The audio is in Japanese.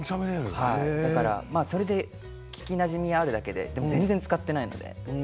それで聞きなじみがあるだけででも全然使ってないので。